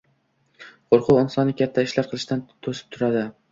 Qo’rquv insonni katta ishlar qilishdan to’sib turadi.